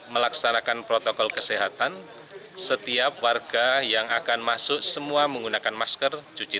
melaksanakan protokol kesehatan setiap warga yang akan masuk semua menggunakan masker cuci